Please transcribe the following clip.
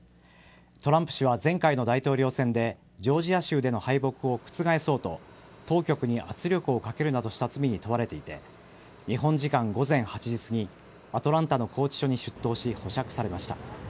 トランプ氏は前回の大統領選でジョージア州での敗北を覆そうと当局に圧力をかけるなどした罪に問われていて日本時間午前８時すぎアトランタの拘置所に出頭し保釈されました。